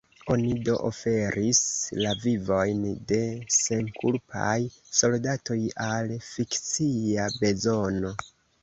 Oni do oferis la vivojn de senkulpaj soldatoj al fikcia bezono.